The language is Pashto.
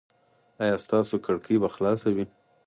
ایا ستاسو کړکۍ به خلاصه وي؟